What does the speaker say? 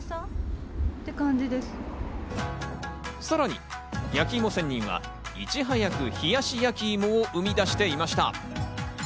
さらに焼きいも仙人はいち早く冷やしやきいもを生み出していました。